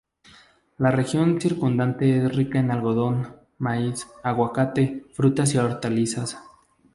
La región circundante es rica en algodón, maíz, cacahuete, frutas y hortalizas.